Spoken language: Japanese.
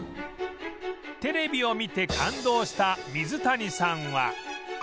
テレビを見て感動した水谷さんは